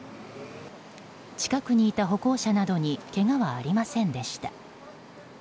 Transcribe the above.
近くにいた歩行者などにけがはありませんでした。